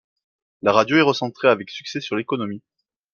La radio est recentrée avec succès sur l’économie.